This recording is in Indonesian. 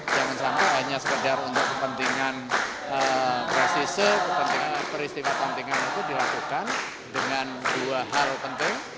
jangan sampai hanya sekedar untuk kepentingan presise peristiwa kontingen itu dilakukan dengan dua hal penting